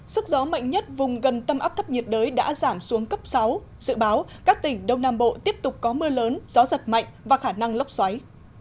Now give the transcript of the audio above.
sức gió mạnh nhất vùng gần tâm áp thấp nhiệt đới đã giảm xuống cấp sáu dự báo các tỉnh đông nam bộ tiếp tục có mưa lớn gió giật mạnh và khả năng lốc xoáy